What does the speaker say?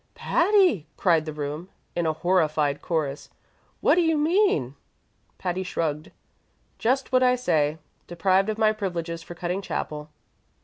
"Patty!" cried the room, in a horrified chorus. "What do you mean?" Patty shrugged. "Just what I say: deprived of my privileges for cutting chapel."